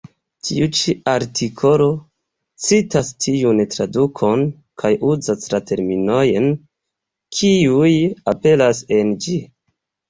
Tiu ĉi artikolo citas tiun tradukon kaj uzas la terminojn, kiuj aperas en ĝi.